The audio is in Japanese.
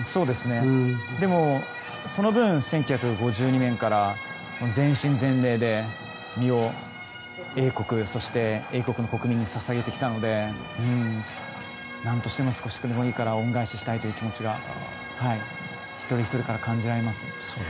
でもその分１９５２年から全身全霊で身を英国そして、英国国民に捧げてきたので何としても少しでも恩返ししたいという気持ちが一人ひとりから感じられます。